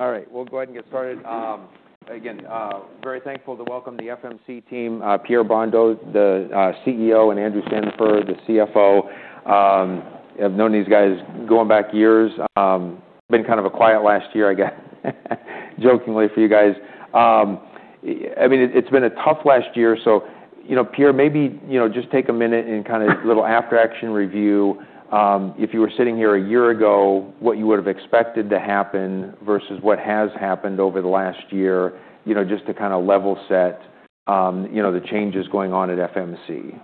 Okay. Terrific. All right. We'll go ahead and get started. Again, very thankful to welcome the FMC team, Pierre Brondeau, the CEO, and Andrew Sandifer, the CFO. I've known these guys going back years. Been kind of a quiet last year, I guess, jokingly for you guys. I mean, it's been a tough last year. So, you know, Pierre, maybe you know, just take a minute and kind of a little after-action review. If you were sitting here a year ago, what you would have expected to happen versus what has happened over the last year, you know, just to kind of level set, you know, the changes going on at FMC.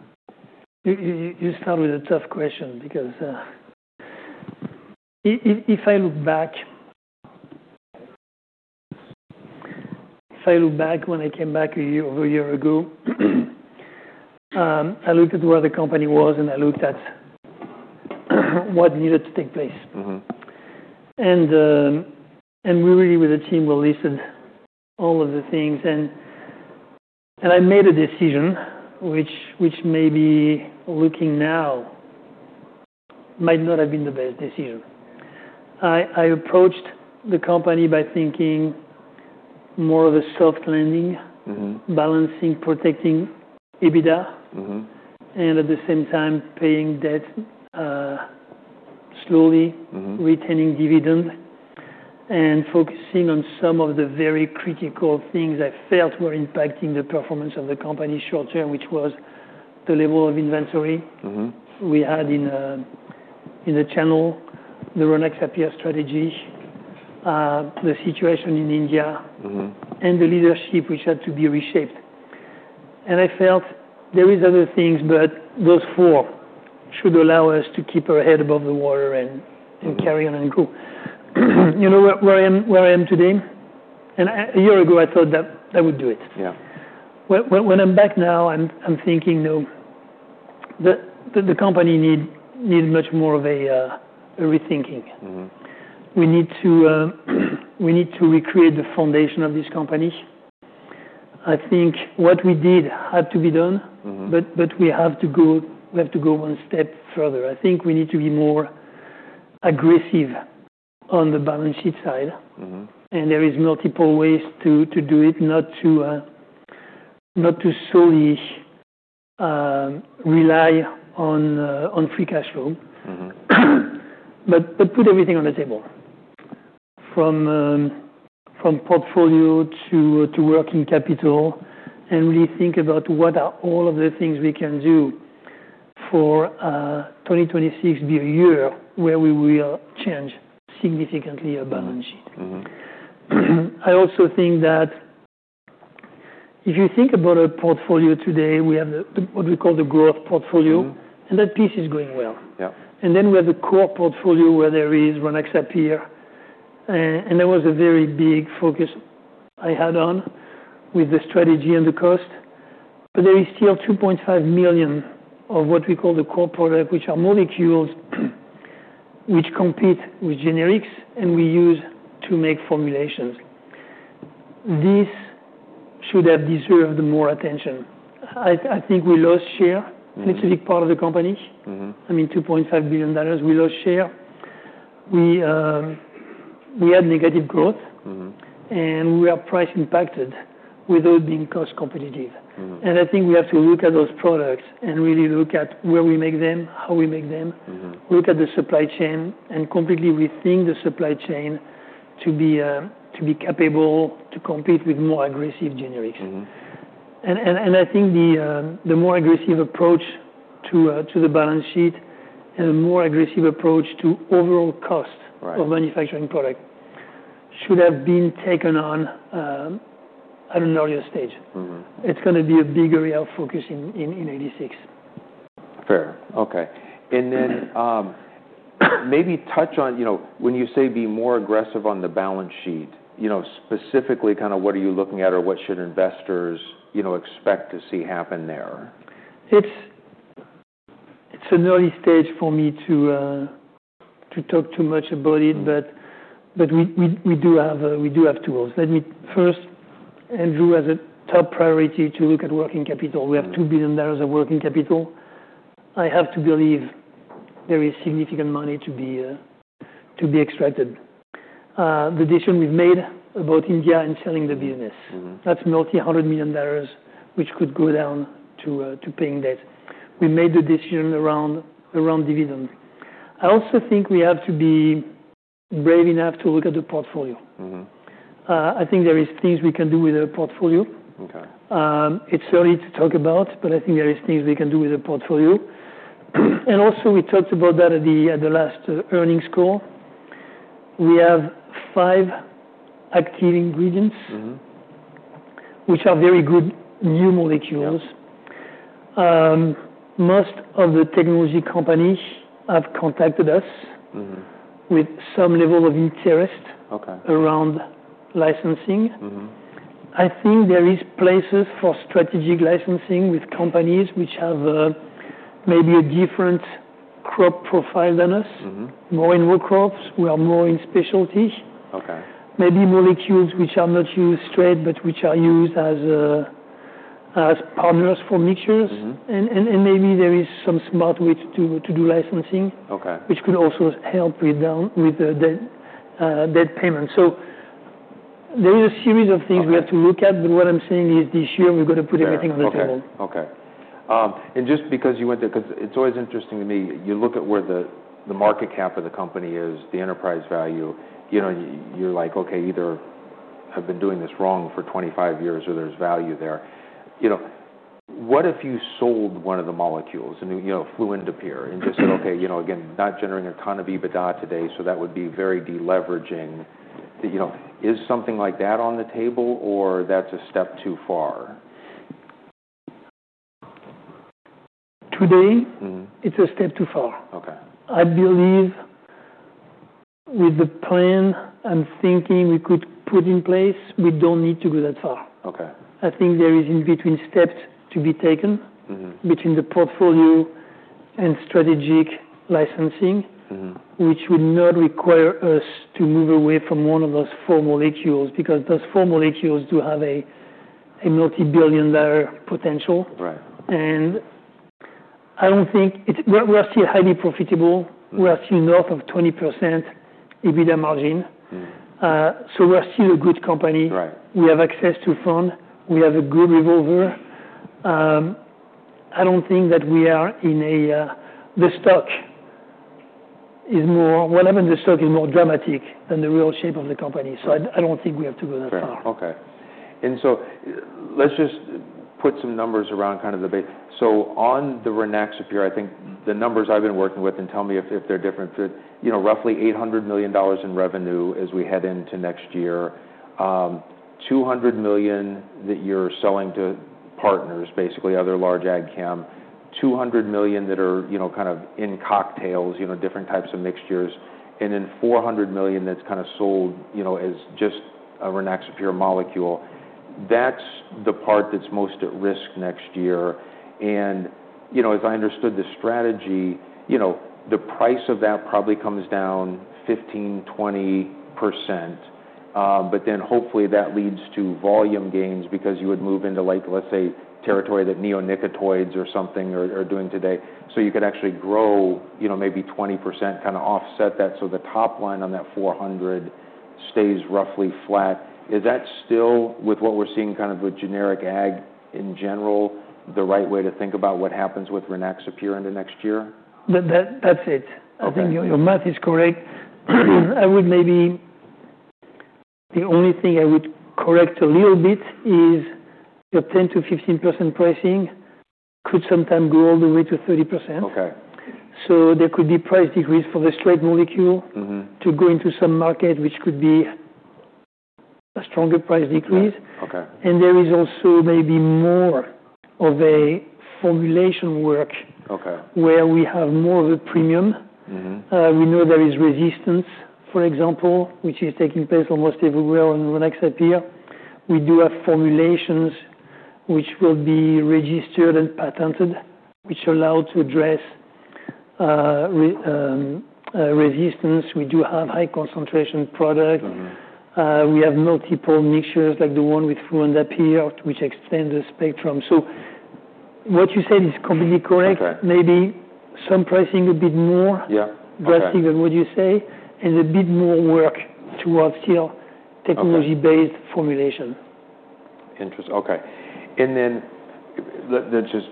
You start with a tough question because if I look back when I came back over a year ago, I looked at where the company was and I looked at what needed to take place. Mm-hmm. We really, with the team, we listed all of the things, and I made a decision which maybe looking now might not have been the best decision. I approached the company by thinking more of a soft landing. Mm-hmm. Balancing, protecting EBITDA. Mm-hmm. At the same time, paying debt, slowly. Mm-hmm. Retaining dividend and focusing on some of the very critical things I felt were impacting the performance of the company short-term, which was the level of inventory. Mm-hmm. We had in the channel the Rynaxypyr strategy, the situation in India. Mm-hmm. The leadership, which had to be reshaped. I felt there were other things, but those four should allow us to keep our head above the water and carry on and grow. You know, where I am, where I am today, and a year ago, I thought that that would do it. Yeah. When I'm back now, I'm thinking, no, the company need much more of a rethinking. Mm-hmm. We need to recreate the foundation of this company. I think what we did had to be done. Mm-hmm. But we have to go one step further. I think we need to be more aggressive on the balance sheet side. Mm-hmm. There are multiple ways to do it, not to solely rely on free cash flow. Mm-hmm. Put everything on the table from portfolio to working capital and really think about what are all of the things we can do for 2026. Be a year where we will change significantly our balance sheet. Mm-hmm. I also think that if you think about our portfolio today, we have what we call the growth portfolio. Mm-hmm. That piece is going well. Yeah. And then we have the core portfolio where there is Rynaxypyr. And that was a very big focus I had on with the strategy and the cost. But there is still $2.5 million of what we call the core product, which are molecules which compete with generics and we use to make formulations. This should have deserved more attention. I think we lost share. Mm-hmm. It's a big part of the company. Mm-hmm. I mean, $2.5 billion, we lost share. We had negative growth. Mm-hmm. We are price impacted without being cost competitive. Mm-hmm. I think we have to look at those products and really look at where we make them, how we make them. Mm-hmm. Look at the supply chain and completely rethink the supply chain to be capable to compete with more aggressive generics. Mm-hmm. I think the more aggressive approach to the balance sheet and a more aggressive approach to overall cost. Right. Of manufacturing product should have been taken on at an earlier stage. Mm-hmm. It's gonna be a big area of focus in 1986. Fair. Okay. And then, maybe touch on, you know, when you say be more aggressive on the balance sheet, you know, specifically kind of what are you looking at or what should investors, you know, expect to see happen there? It's an early stage for me to talk too much about it, but we do have tools. Let me first, Andrew, as a top priority to look at working capital. Mm-hmm. We have $2 billion of working capital. I have to believe there is significant money to be extracted. The decision we've made about India and selling the business. Mm-hmm. That's multi-hundred million dollars which could go down to paying debt. We made the decision around dividend. I also think we have to be brave enough to look at the portfolio. Mm-hmm. I think there are things we can do with our portfolio. Okay. It's early to talk about, but I think there are things we can do with our portfolio. And also, we talked about that at the last earnings call. We have five active ingredients. Mm-hmm. Which are very good new molecules. Most of the technology companies have contacted us. Mm-hmm. With some level of interest. Okay. Around licensing. Mm-hmm. I think there are places for strategic licensing with companies which have, maybe a different crop profile than us. Mm-hmm. More in row crops. We are more in specialty. Okay. Maybe molecules which are not used straight but which are used as partners for mixtures. Mm-hmm. And maybe there are some smart ways to do licensing. Okay. Which could also help pay down the debt, debt payment. So there are a series of things we have to look at, but what I'm saying is this year we're gonna put everything on the table. Okay. Okay, and just because you went to 'cause it's always interesting to me. You look at where the market cap of the company is, the enterprise value, you know, you, you're like, "Okay, either I've been doing this wrong for 25 years or there's value there." You know, what if you sold one of the molecules and, you know, flew into Pierre and just said, "Okay, you know, again, not generating a ton of EBITDA today, so that would be very deleveraging." You know, is something like that on the table or that's a step too far? Today. Mm-hmm. It's a step too far. Okay. I believe with the plan I'm thinking we could put in place, we don't need to go that far. Okay. I think there are in-between steps to be taken. Mm-hmm. Between the portfolio and strategic licensing. Mm-hmm. Which would not require us to move away from one of those four molecules because those four molecules do have a multi-billion dollar potential. Right. And I don't think it's. We're still highly profitable. We're still north of 20% EBITDA margin. Mm-hmm. So we're still a good company. Right. We have access to funds. We have a good revolver. I don't think that we are, the stock is more what happened, the stock is more dramatic than the real shape of the company, so I, I don't think we have to go that far. Fair. Okay. And so let's just put some numbers around kind of the BASF on the Rynaxypyr, I think the numbers I've been working with and tell me if they're different. You know, roughly $800 million in revenue as we head into next year, $200 million that you're selling to partners, basically other large ag chem, $200 million that are, you know, kind of in cocktails, you know, different types of mixtures, and then $400 million that's kind of sold, you know, as just a Rynaxypyr molecule. That's the part that's most at risk next year. And, you know, as I understood the strategy, you know, the price of that probably comes down 15%-20%. But then hopefully that leads to volume gains because you would move into, like, let's say, territory that neonicotinoids or something are doing today. So you could actually grow, you know, maybe 20%, kind of offset that so the top line on that 400 stays roughly flat. Is that still, with what we're seeing kind of with generic ag in general, the right way to think about what happens with Rynaxypyr into next year? That's it. Okay. I think your, your math is correct. I would maybe the only thing I would correct a little bit is the 10%-15% pricing could sometimes go all the way to 30%. Okay. So there could be price decrease for the straight molecule. Mm-hmm. To go into some market which could be a stronger price decrease. Okay. There is also maybe more of a formulation work. Okay. Where we have more of a premium. Mm-hmm. We know there is resistance, for example, which is taking place almost everywhere on Rynaxypyr. We do have formulations which will be registered and patented which allow to address resistance. We do have high-concentration product. Mm-hmm. We have multiple mixtures like the one with fluindapyr which extends the spectrum. So what you said is completely correct. Okay. Maybe some pricing a bit more. Yeah. drastic than what you say and a bit more work towards still technology-based formulation. Interest. Okay. And then the just,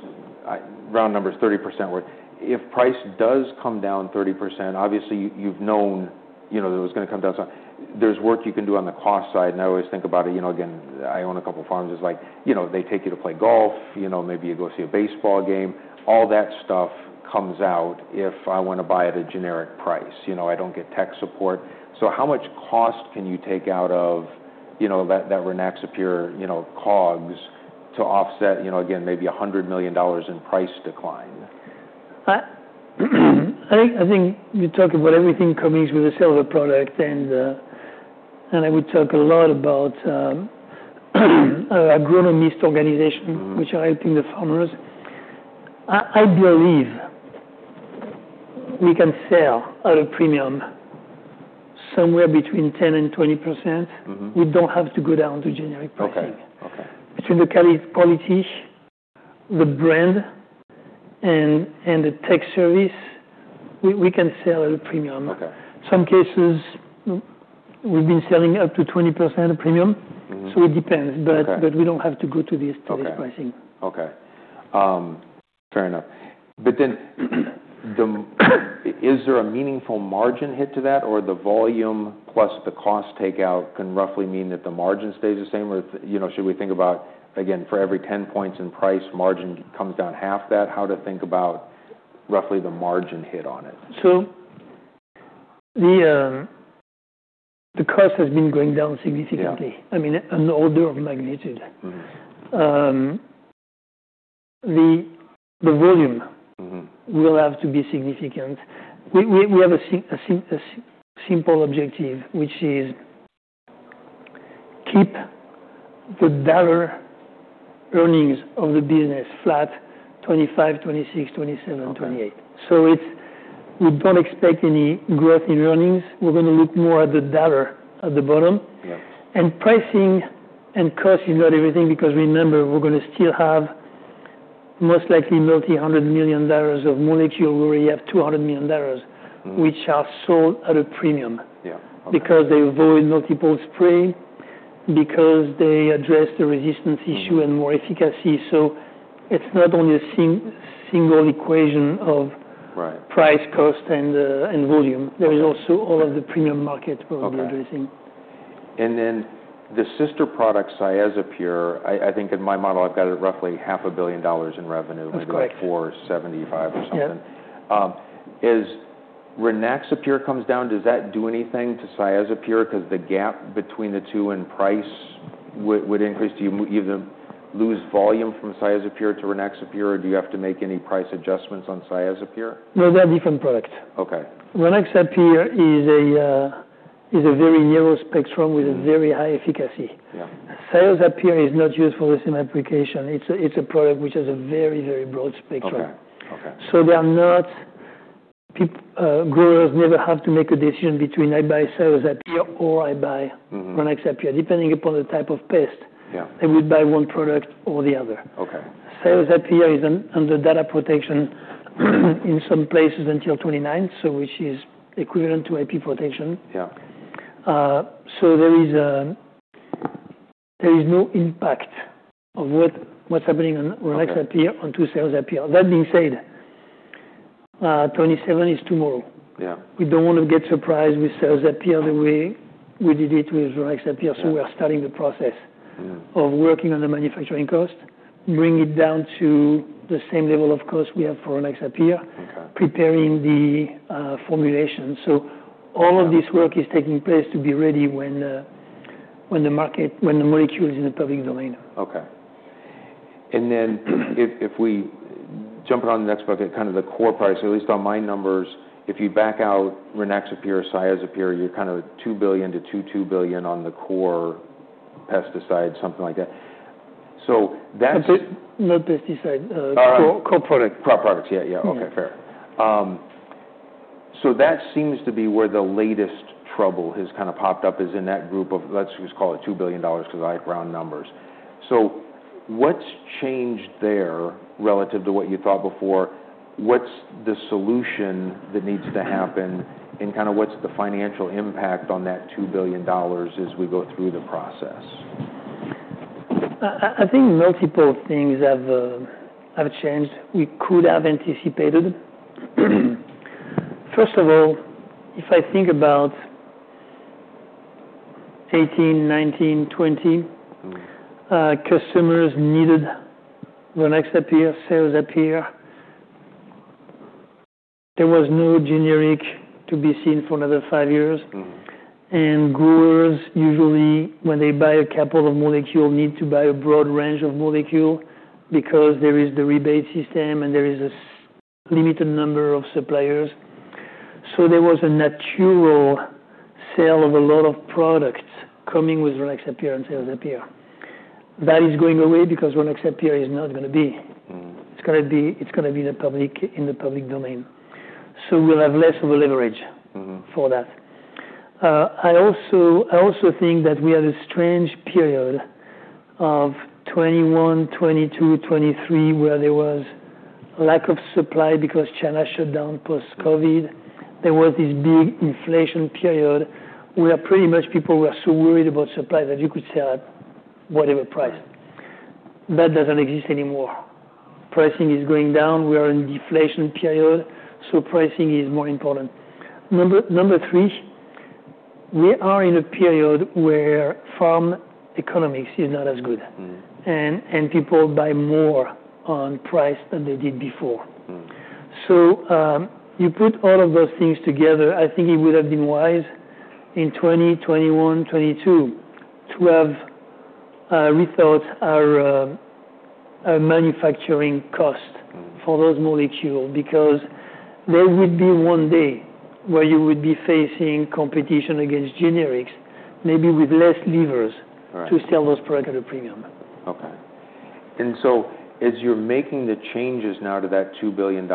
round number is 30% work. If price does come down 30%, obviously you've known, you know, that it was gonna come down. So there's work you can do on the cost side. And I always think about it, you know, again, I own a couple of farms. It's like, you know, they take you to play golf, you know, maybe you go see a baseball game. All that stuff comes out if I wanna buy at a generic price. You know, I don't get tech support. So how much cost can you take out of, you know, that Rynaxypyr, you know, COGS to offset, you know, again, maybe $100 million in price decline? I think you talk about everything coming with a silver product, and I would talk a lot about agronomist organization. Mm-hmm. Which are helping the farmers. I believe we can sell at a premium somewhere between 10% and 20%. Mm-hmm. We don't have to go down to generic pricing. Okay. Okay. Between the quality, the brand, and the tech service, we can sell at a premium. Okay. Some cases, we've been selling up to 20% premium. Mm-hmm. So it depends. Okay. But we don't have to go to this pricing. Okay. Okay. Fair enough. But then, is there a meaningful margin hit to that or the volume plus the cost takeout can roughly mean that the margin stays the same or, you know, should we think about, again, for every 10 points in price, margin comes down half that? How to think about roughly the margin hit on it? The cost has been going down significantly. Yeah. I mean, an order of magnitude. Mm-hmm. the volume. Mm-hmm. Will have to be significant. We have a simple objective which is keep the dollar earnings of the business flat 2025, 2026, 2027, 2028. Mm-hmm. So it's we don't expect any growth in earnings. We're gonna look more at the dollar at the bottom. Yeah. Pricing and cost is not everything because remember, we're gonna still have most likely multi-hundred million dollars of molecule where we have $200 million. Mm-hmm. Which are sold at a premium. Yeah. Okay. Because they avoid multiple spray, because they address the resistance issue and more efficacy. So it's not only a single equation of. Right. Price, cost, and volume. There is also all of the premium market we'll be addressing. Okay. And then the sister product, Cyazypyr, I think in my model I've got it at roughly $500 million in revenue. That's correct. When you're at 475 or something. Yeah. As Rynaxypyr comes down, does that do anything to Cyazypyr? 'Cause the gap between the two in price would increase. Do you either lose volume from Cyazypyr to Rynaxypyr or do you have to make any price adjustments on Cyazypyr? No, they are different products. Okay. Rynaxypyr is a very narrow spectrum with a very high efficacy. Yeah. Cyazypyr is not used for the same application. It's a, it's a product which has a very, very broad spectrum. Okay. Okay. They are not pe growers never have to make a decision between I buy Cyazypyr or I buy. Mm-hmm. Rynaxypyr depending upon the type of pest. Yeah. They would buy one product or the other. Okay. Cyazypyr is on the data protection in some places until 2029, so which is equivalent to IP protection. Yeah. So there is no impact of what's happening on Rynaxypyr onto Cyazypyr. That being said, 2027 is tomorrow. Yeah. We don't wanna get surprised with Cyazypyr the way we did it with Rynaxypyr. So we are starting the process. Mm-hmm. Of working on the manufacturing cost, bring it down to the same level of cost we have for Rynaxypyr. Okay. Preparing the formulation. All of this work is taking place to be ready when the molecule is in the public domain. Okay. And then if we jump around the next bucket, kind of the core price, or at least on my numbers, if you back out Rynaxypyr, Cyazypyr, you're kind of $2 billion to $2.2 billion on the core pesticide, something like that. So that's. Not pesticide. All right. Co, co-product. Crop products. Yeah. Yeah. Okay. Fair. So that seems to be where the latest trouble has kind of popped up is in that group of let's just call it $2 billion 'cause I like round numbers. So what's changed there relative to what you thought before? What's the solution that needs to happen and kind of what's the financial impact on that $2 billion as we go through the process? I think multiple things have changed we could have anticipated. First of all, if I think about 2018, 2019, 2020. Mm-hmm. Customers needed Rynaxypyr, Cyazypyr. There was no generic to be seen for another five years. Mm-hmm. And growers usually, when they buy a couple of molecules, need to buy a broad range of molecule because there is the rebate system and there is a limited number of suppliers. So there was a natural sale of a lot of products coming with Rynaxypyr and Cyazypyr. That is going away because Rynaxypyr is not gonna be. Mm-hmm. It's gonna be in the public domain, so we'll have less of a leverage. Mm-hmm. For that. I also think that we have a strange period of 2021, 2022, 2023 where there was lack of supply because China shut down post-COVID. There was this big inflation period where pretty much people were so worried about supply that you could sell at whatever price. That doesn't exist anymore. Pricing is going down. We are in deflation period, so pricing is more important. Number three, we are in a period where farm economics is not as good. Mm-hmm. People buy more on price than they did before. Mm-hmm. You put all of those things together. I think it would have been wise in 2020, 2021, 2022 to have rethought our manufacturing cost. Mm-hmm. For those molecules because there would be one day where you would be facing competition against generics, maybe with less levers. Right. To sell those products at a premium. Okay. And so as you're making the changes now to that $2 billion,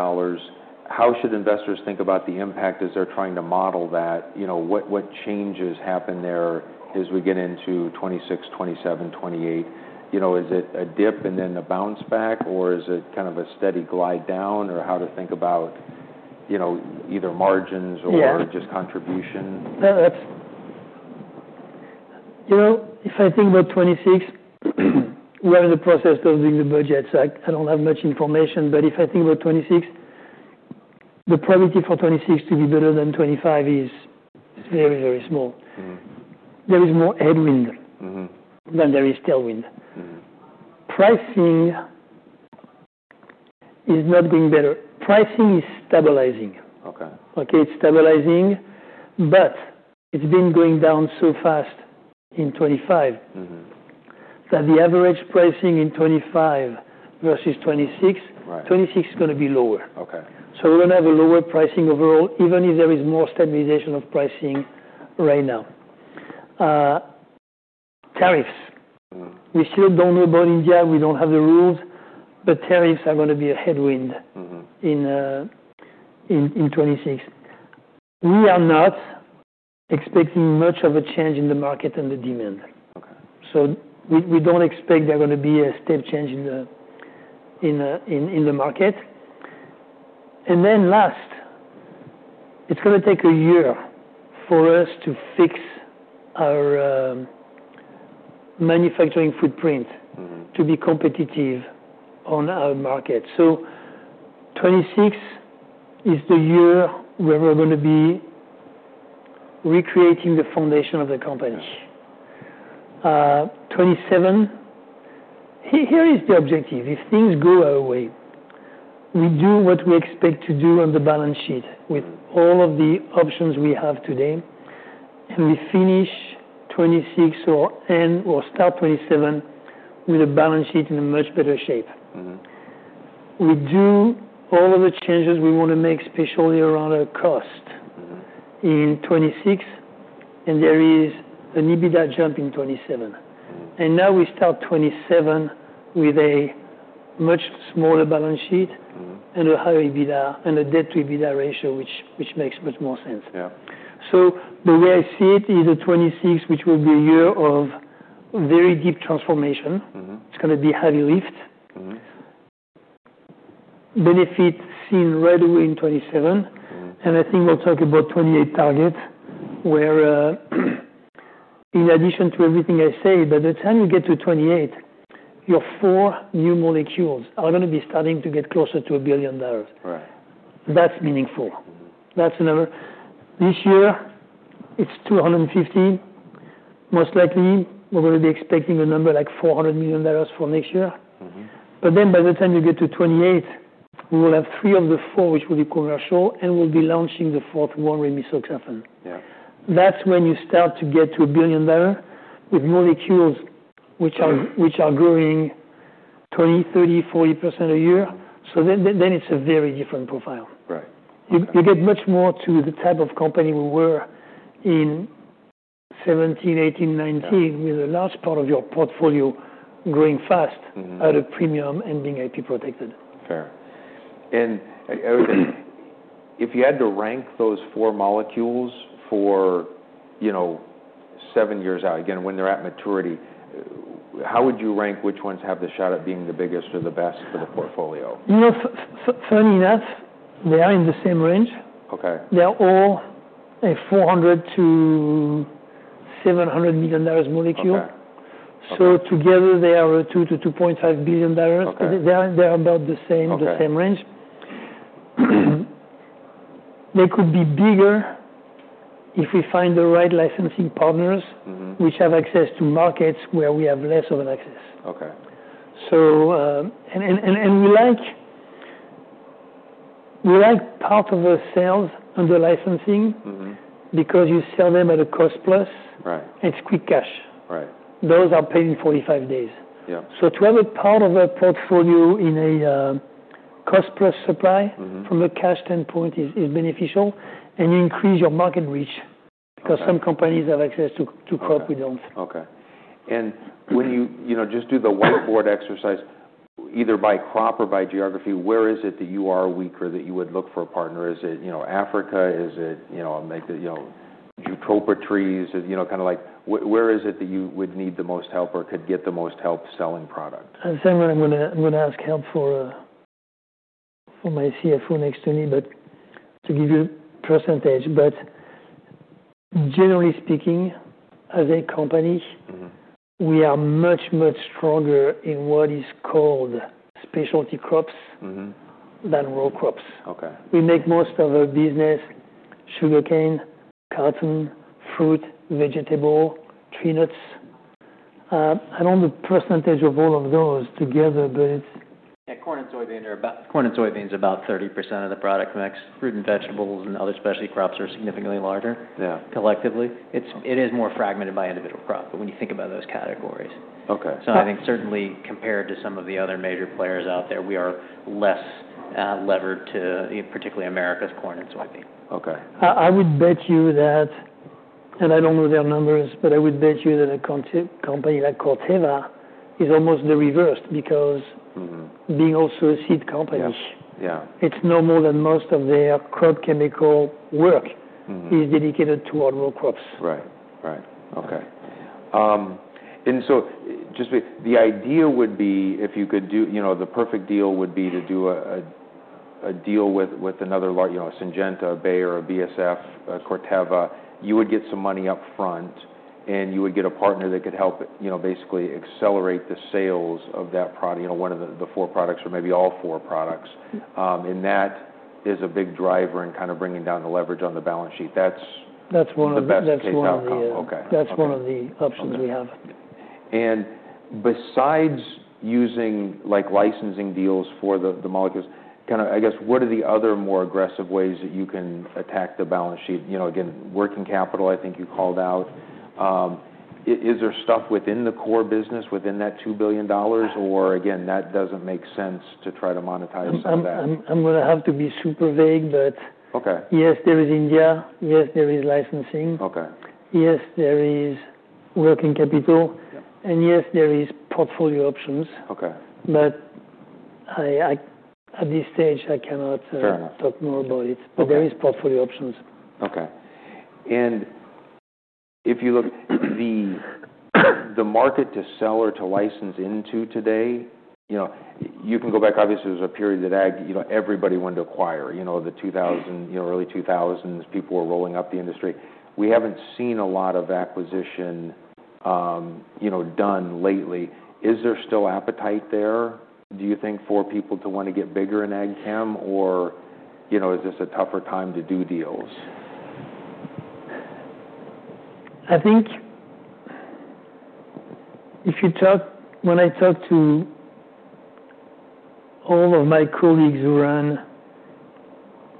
how should investors think about the impact as they're trying to model that? You know, what changes happen there as we get into 2026, 2027, 2028? You know, is it a dip and then a bounce back or is it kind of a steady glide down or how to think about, you know, either margins or. Yeah. Just contribution? That's, you know, if I think about 2026, we are in the process of doing the budgets. I, I don't have much information, but if I think about 2026, the probability for 2026 to be better than 2025 is very, very small. Mm-hmm. There is more headwind. Mm-hmm. Then there is tailwind. Mm-hmm. Pricing is not going better. Pricing is stabilizing. Okay. Okay. It's stabilizing, but it's been going down so fast in 2025. Mm-hmm. That the average pricing in 2025 versus 2026. Right. 2026 is gonna be lower. Okay. So we're gonna have a lower pricing overall even if there is more stabilization of pricing right now. Tariffs. Mm-hmm. We still don't know about India. We don't have the rules, but tariffs are gonna be a headwind. Mm-hmm. In 2026, we are not expecting much of a change in the market and the demand. Okay. So we don't expect there's gonna be a step change in the market. And then last, it's gonna take a year for us to fix our manufacturing footprint. Mm-hmm. To be competitive on our market. So 2026 is the year where we're gonna be recreating the foundation of the company. Mm-hmm. 2027, here is the objective. If things go our way, we do what we expect to do on the balance sheet with all of the options we have today, and we finish 2026 or end or start 2027 with a balance sheet in a much better shape. Mm-hmm. We do all of the changes we wanna make, especially around our cost. Mm-hmm. In 2026, and there is an EBITDA jump in 2027. Mm-hmm. Now we start 2027 with a much smaller balance sheet. Mm-hmm. A higher EBITDA and a debt-to-EBITDA ratio which makes much more sense. Yeah. So the way I see it is that 2026, which will be a year of very deep transformation. Mm-hmm. It's gonna be heavy lift. Mm-hmm. Benefit seen right away in 2027. Mm-hmm. I think we'll talk about 2028 target where, in addition to everything I say, by the time you get to 2028, your four new molecules are gonna be starting to get closer to $1 billion. Right. That's meaningful. Mm-hmm. That's another. This year, it's 250. Most likely, we're gonna be expecting a number like $400 million for next year. Mm-hmm. But then by the time you get to 2028, we will have three of the four which will be commercial, and we'll be launching the fourth one, Rimisoxafen. Yeah. That's when you start to get to $1 billion with molecules which are. Mm-hmm. Which are growing 20%, 30%, 40% a year. So then, it's a very different profile. Right. You get much more to the type of company we were in 2017, 2018, 2019 with a large part of your portfolio growing fast. Mm-hmm. At a premium and being IP protected. Fair. And I would if you had to rank those four molecules for, you know, seven years out, again, when they're at maturity, how would you rank which ones have the shot at being the biggest or the best for the portfolio? You know, funny enough, they are in the same range. Okay. They're all a $400-$700 million molecule. Okay. Okay. Together, they are $2 billion-$2.5 billion. Okay. They are about the same. Okay. The same range. They could be bigger if we find the right licensing partners. Mm-hmm. Which have access to markets where we have less of an access. Okay. We like part of the sales under licensing. Mm-hmm. Because you sell them at a cost plus. Right. It's quick cash. Right. Those are paid in 45 days. Yeah. So to have a part of a portfolio in a cost plus supply. Mm-hmm. From a cash standpoint is beneficial, and you increase your market reach. Because some companies have access to crops we don't. Okay, and when you, you know, just do the whiteboard exercise, either by crop or by geography, where is it that you are weaker that you would look for a partner? Is it, you know, Africa? Is it, you know, like the, you know, fruit trees? You know, kind of like where is it that you would need the most help or could get the most help selling product? Samuel, I'm gonna ask for help from my CFO next to me, but to give you percentage, but generally speaking, as a company. Mm-hmm. We are much, much stronger in what is called specialty crops. Mm-hmm. Than row crops. Okay. We make most of our business sugarcane, cotton, fruit, vegetable, tree nuts. I don't know the percentage of all of those together, but it's. Yeah. Corn and soybeans are about 30% of the product mix. Fruit and vegetables and other specialty crops are significantly larger. Yeah. Collectively, it is more fragmented by individual crop, but when you think about those categories. Okay. So I think certainly compared to some of the other major players out there, we are less levered to, you know, particularly Americas corn and soybean. Okay. I would bet you that, and I don't know their numbers, but I would bet you that a company like Corteva is almost the reverse because. Mm-hmm. Being also a seed company. Yeah. Yeah. It's normal that most of their crop chemical work. Mm-hmm. is dedicated toward row crops. Right. Right. Okay. And so the idea would be if you could do, you know, the perfect deal would be to do a deal with another large, you know, Syngenta, Bayer, BASF, Corteva. You would get some money upfront, and you would get a partner that could help, you know, basically accelerate the sales of that product, you know, one of the four products or maybe all four products. And that is a big driver in kind of bringing down the leverage on the balance sheet. That's. That's one of the best. The best sell outcome. Okay. That's one of the options we have. And besides using, like, licensing deals for the, the molecules, kind of, I guess, what are the other more aggressive ways that you can attack the balance sheet? You know, again, working capital, I think you called out. Is there stuff within the core business within that $2 billion or, again, that doesn't make sense to try to monetize from that? I'm gonna have to be super vague, but. Okay. Yes, there is India. Yes, there is licensing. Okay. Yes, there is working capital. Yep. Yes, there is portfolio options. Okay. But I at this stage, I cannot. Fair enough. Talk more about it. Okay. But there is portfolio options. Okay. And if you look at the market to sell or to license into today, you know, you can go back. Obviously, there's a period that Ag, you know, everybody went to acquire, you know, the 2000, you know, early 2000s. People were rolling up the industry. We haven't seen a lot of acquisition, you know, done lately. Is there still appetite there, do you think, for people to wanna get bigger in AgChem or, you know, is this a tougher time to do deals? I think if you talk to all of my colleagues who run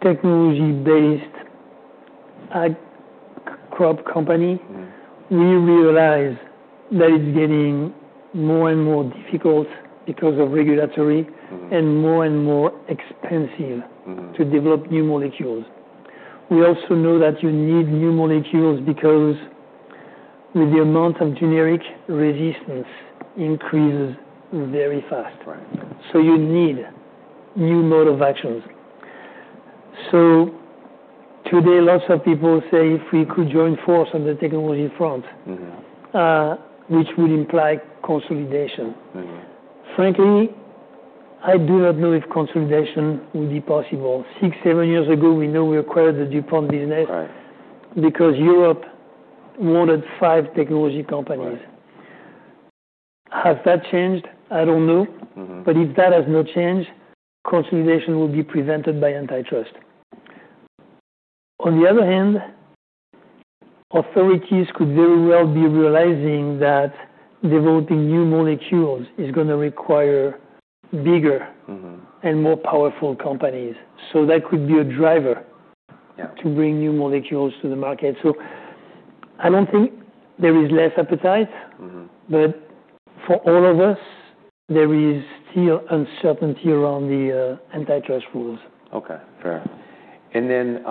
technology-based ag crop company. Mm-hmm. We realize that it's getting more and more difficult because of regulatory. Mm-hmm. And more and more expensive. Mm-hmm. To develop new molecules. We also know that you need new molecules because the amount of generic resistance increases very fast. Right. So you need new modes of action. So today, lots of people say if we could join forces on the technology front. Mm-hmm. which would imply consolidation. Mm-hmm. Frankly, I do not know if consolidation would be possible. Six, seven years ago, we know we acquired the DuPont business. Right. Because Europe wanted five technology companies. Right. Has that changed? I don't know. Mm-hmm. But if that has not changed, consolidation will be prevented by antitrust. On the other hand, authorities could very well be realizing that developing new molecules is gonna require bigger. Mm-hmm. And more powerful companies. So that could be a driver. Yeah. To bring new molecules to the market, so I don't think there is less appetite. Mm-hmm. But for all of us, there is still uncertainty around the antitrust rules. Okay. Fair. And then,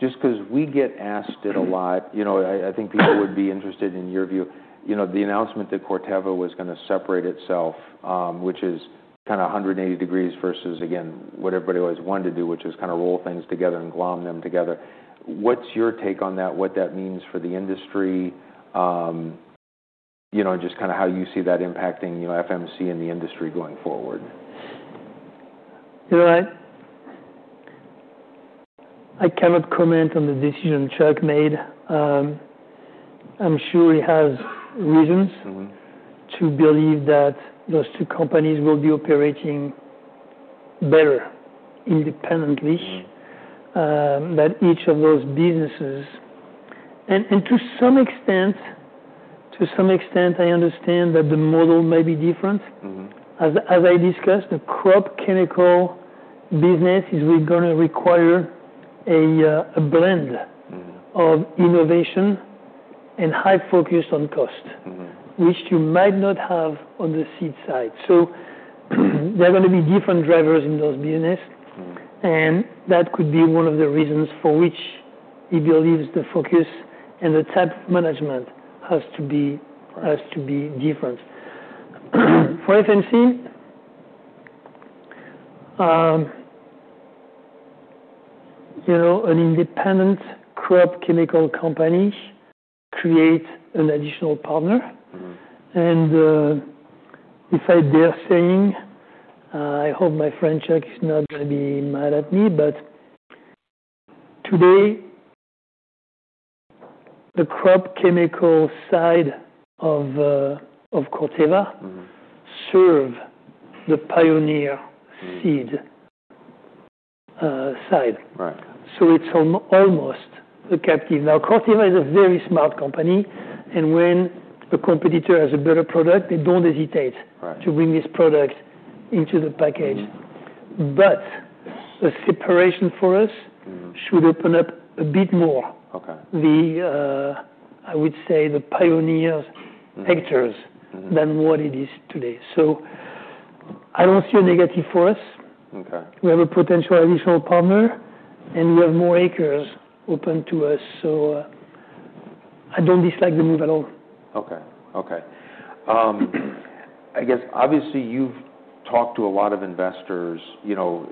just 'cause we get asked it a lot, you know, I think people would be interested in your view, you know, the announcement that Corteva was gonna separate itself, which is kind of 180 degrees versus, again, what everybody always wanted to do, which is kind of roll things together and glom them together. What's your take on that? What that means for the industry? You know, just kind of how you see that impacting, you know, FMC and the industry going forward? You know, I cannot comment on the decision Chuck made. I'm sure he has reasons. Mm-hmm. To believe that those two companies will be operating better independently. Mm-hmm. that each of those businesses and to some extent I understand that the model may be different. Mm-hmm. As I discussed, the crop chemical business is gonna require a blend. Mm-hmm. Of innovation and high focus on cost. Mm-hmm. Which you might not have on the seed side, so there are gonna be different drivers in those business. Mm-hmm. That could be one of the reasons for which he believes the focus and the type of management has to be. Right. Has to be different. For FMC, you know, an independent crop chemical company creates an additional partner. Mm-hmm. In fact, they're saying, I hope my friend Chuck is not gonna be mad at me, but today, the crop chemical side of Corteva. Mm-hmm. Serve the Pioneer seed side. Right. It's almost a captive. Now, Corteva is a very smart company, and when a competitor has a better product, they don't hesitate. Right. To bring this product into the package. But the separation for us. Mm-hmm. Should open up a bit more. Okay. I would say the Pioneers. Mm-hmm. Actors. Mm-hmm. Than what it is today. So I don't see a negative for us. Okay. We have a potential additional partner, and we have more acres open to us. So, I don't dislike the move at all. Okay. Okay. I guess, obviously, you've talked to a lot of investors, you know,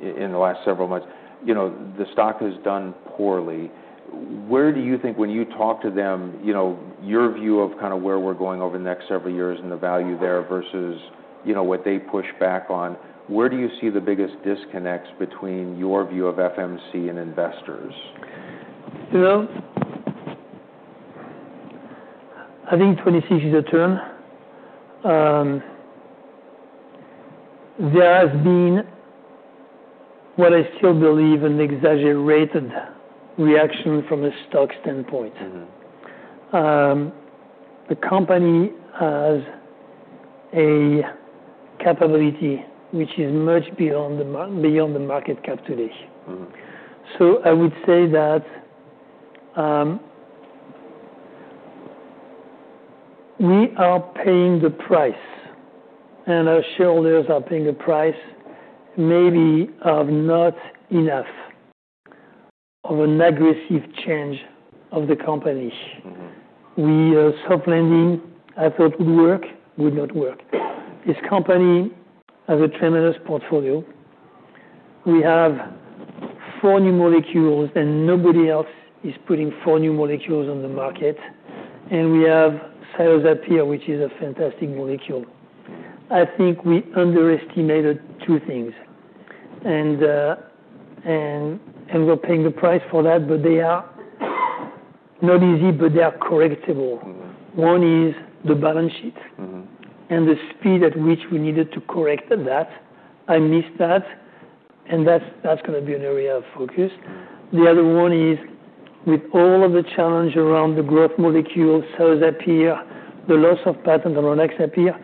in the last several months. You know, the stock has done poorly. Where do you think when you talk to them, you know, your view of kind of where we're going over the next several years and the value there versus, you know, what they push back on, where do you see the biggest disconnects between your view of FMC and investors? You know, I think 2026 is a turn. There has been what I still believe an exaggerated reaction from a stock standpoint. Mm-hmm. The company has a capability which is much beyond the market cap today. Mm-hmm. I would say that we are paying the price, and our shareholders are paying a price maybe of not enough of an aggressive change of the company. Mm-hmm. A soft landing I thought would work, would not work. This company has a tremendous portfolio. We have four new molecules and nobody else is putting four new molecules on the market. And we have Cyazypyr, which is a fantastic molecule. I think we underestimated two things. And we're paying the price for that, but they are not easy, but they are correctable. Mm-hmm. One is the balance sheet. Mm-hmm. And the speed at which we needed to correct that, I missed that, and that's gonna be an area of focus. Mm-hmm. The other one is with all of the challenge around the growth molecule, Cyazypyr, the loss of patent on Rynaxypyr,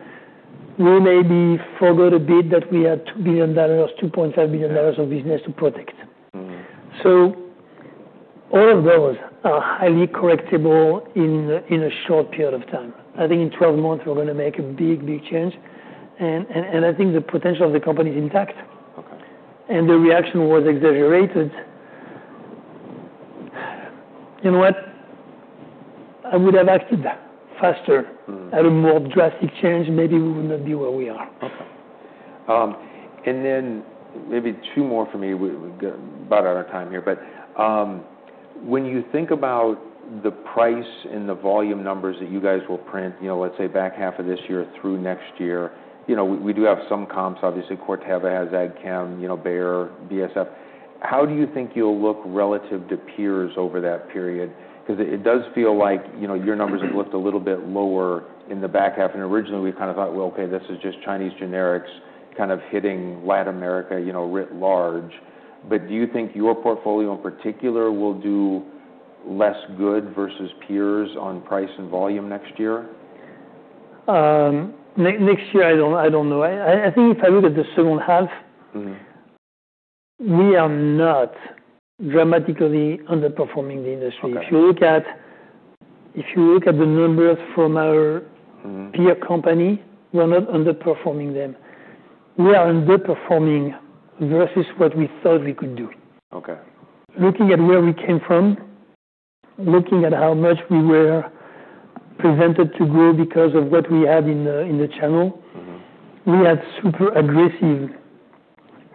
we maybe forgot a bit that we had $2 billion-$2.5 billion of business to protect. Mm-hmm. All of those are highly correctable in a short period of time. I think in 12 months, we're gonna make a big, big change, and I think the potential of the company is intact. Okay. The reaction was exaggerated. You know what? I would have acted faster. Mm-hmm. At a more drastic change, maybe we would not be where we are. Okay. And then maybe two more for me. We've got about out of time here, but when you think about the price and the volume numbers that you guys will print, you know, let's say back half of this year through next year, you know, we do have some comps, obviously. Corteva has AgChem, you know, Bayer, BASF. How do you think you'll look relative to peers over that period? 'Cause it does feel like, you know, your numbers have looked a little bit lower in the back half. And originally, we kind of thought, well, okay, this is just Chinese generics kind of hitting Latin America, you know, writ large. But do you think your portfolio in particular will do less good versus peers on price and volume next year? Next year, I don't know. I think if I look at the second half. Mm-hmm. We are not dramatically underperforming the industry. Okay. If you look at the numbers from our. Mm-hmm. Peer company, we're not underperforming them. We are underperforming versus what we thought we could do. Okay. Looking at where we came from, looking at how much we were presented to grow because of what we had in the channel. Mm-hmm. We had super aggressive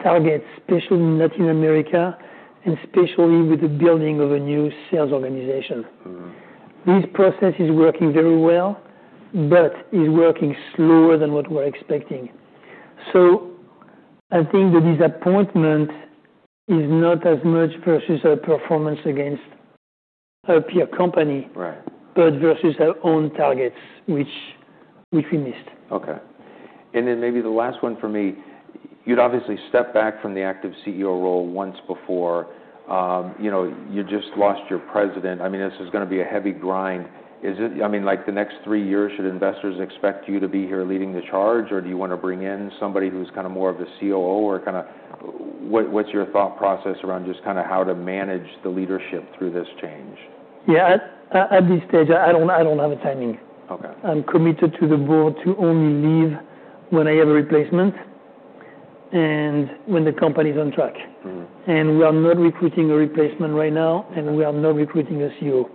targets, especially in Latin America and especially with the building of a new sales organization. Mm-hmm. This process is working very well, but is working slower than what we're expecting. So I think the disappointment is not as much versus our performance against our peer company. Right. But versus our own targets, which we missed. Okay. And then maybe the last one for me, you'd obviously step back from the active CEO role once before. You know, you just lost your president. I mean, this is gonna be a heavy grind. Is it? I mean, like, the next three years, should investors expect you to be here leading the charge or do you wanna bring in somebody who's kind of more of the COO or kind of what's your thought process around just kind of how to manage the leadership through this change? Yeah. At this stage, I don't have a timing. Okay. I'm committed to the board to only leave when I have a replacement and when the company's on track. Mm-hmm. We are not recruiting a replacement right now, and we are not recruiting a COO.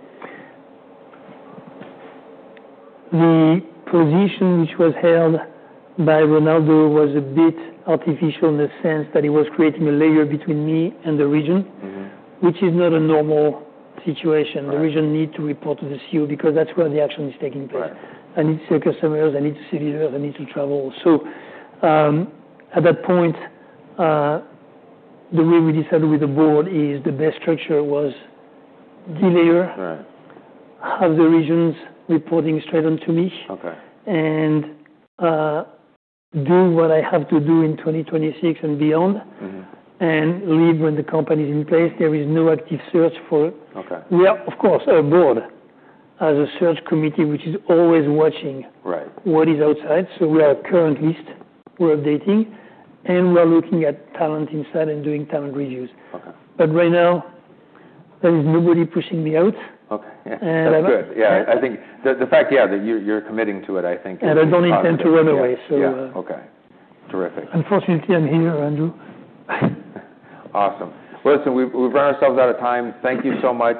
The position which was held by Ronaldo was a bit artificial in the sense that he was creating a layer between me and the region. Mm-hmm. Which is not a normal situation. Mm-hmm. The region need to report to the COO because that's where the action is taking place. Right. I need to sell customers. I need to sell leaders. I need to travel. So, at that point, the way we decided with the board is the best structure was de-layer. Right. Have the regions reporting straight on to me. Okay. Do what I have to do in 2026 and beyond. Mm-hmm. And leave when the company's in place. There is no active search for. Okay. We are, of course, our board has a search committee which is always watching. Right. What's outside, so we are currently listing. We're updating, and we're looking at talent inside and doing talent reviews. Okay. But right now, there is nobody pushing me out. Okay. Yeah. That's good. Yeah. I think the fact, yeah, that you're committing to it, I think. I don't intend to run away, so. Yeah. Okay. Terrific. Unfortunately, I'm here, Andrew. Awesome. Well, listen, we've run ourselves out of time. Thank you so much,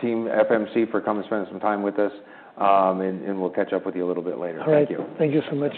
team FMC, for coming to spend some time with us, and we'll catch up with you a little bit later. Thank you. All right. Thank you so much.